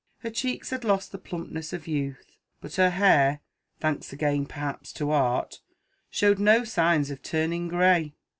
Her cheeks had lost the plumpness of youth, but her hair (thanks again perhaps to Art) showed no signs of turning grey.